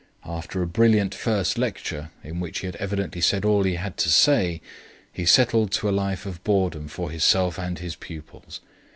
After a brilliant first lecture, in which he had evidently said all he had to say, he settled to a life of boredom for himself and his pupils.